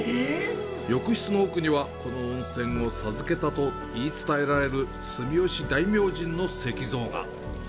浴室の奥には、この温泉を授けたと言い伝えられる住吉大明神の石像が。